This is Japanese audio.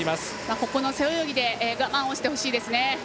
ここの背泳ぎで我慢をしてほしいですね。